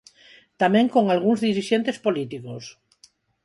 Tamén con algúns dirixentes políticos.